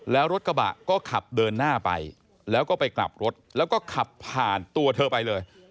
แล้วรถกระบะก็ขับเดินหน้าไปแล้วก็ไปกลับรถแล้วก็ขับผ่านตัวเธอไปเลย